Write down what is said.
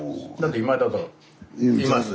今だといます。